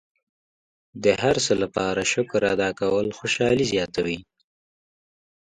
د هر څه لپاره شکر ادا کول خوشحالي زیاتوي.